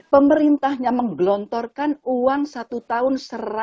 pemerintahnya menggelontorkan uang satu tahun